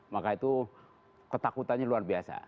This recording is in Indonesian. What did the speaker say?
maka itu ketakutannya luar biasa